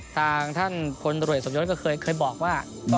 ทางท่านคนรวยสมยนตร์ก็เคยบอกว่า